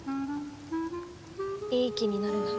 いい気になるな。